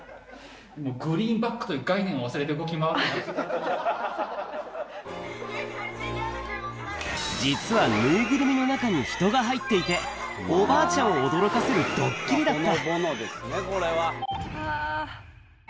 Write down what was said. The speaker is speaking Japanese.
グリーンバックという概念を実は、縫いぐるみの中に人が入っていて、おばあちゃんを驚かせるドッキリだった。